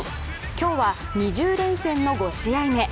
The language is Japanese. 今日は２０連戦の５試合目。